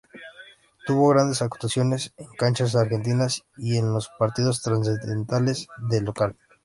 Tuvo grandes actuaciones en canchas argentinas y en los partidos trascendentales de local.